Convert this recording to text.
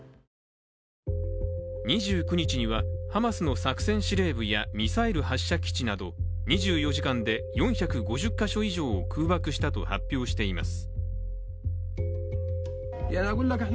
２９日には、ハマスの作戦司令部や、ミサイル発射基地など２４時間で４５０か所以上を空爆したと発表しています。